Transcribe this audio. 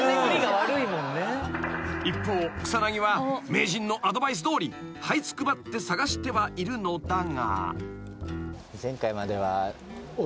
［一方草薙は名人のアドバイスどおりはいつくばって探してはいるのだが］